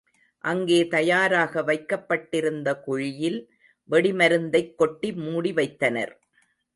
அங்கே தயாராக வைக்கப்பட்டிருந்த குழியில் வெடிமருந்தைக் கொட்டி மூடிவைத்தனர்.